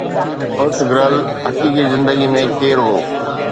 Ertugrul حقيقي زندگي ۾ ڪير هو؟